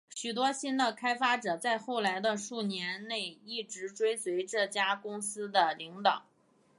许多新的开发者在后来的数年内一直追随这家公司的领导。